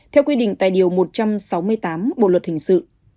theo quy định tại điều một trăm sáu mươi tám bộ luật hình sự